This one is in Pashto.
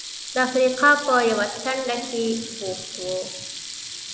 د افریقا په یوه څنډه کې بوخت و.